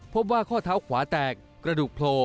พบว่าข้อเท้าขวาแตกกระดูกโผล่